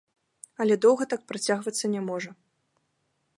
Але доўга так працягвацца не можа.